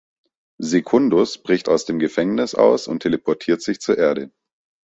Secundus bricht aus dem Gefängnis aus und teleportiert sich zur Erde.